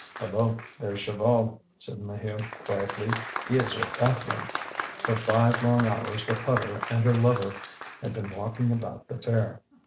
"Hullo! there's Chaval," said Maheu quietly; "he is with Catherine." For five long hours the putter and her lover had been walking about the fair.